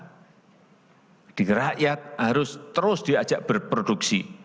jadi rakyat harus terus diajak berproduksi